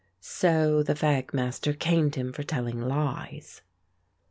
So the fag master caned him for telling lies.